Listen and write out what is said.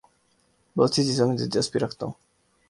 بہت سی چیزوں میں دلچسپی رکھتا ہوں